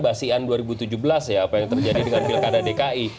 basian dua ribu tujuh belas ya apa yang terjadi dengan pilkada dki